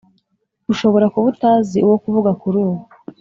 Ushobora kuba utazi uwo kuvuga kurubu